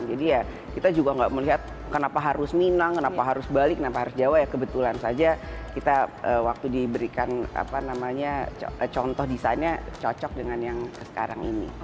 jadi ya kita juga nggak melihat kenapa harus minang kenapa harus bali kenapa harus jawa ya kebetulan saja kita waktu diberikan apa namanya contoh desainnya cocok dengan yang sekarang ini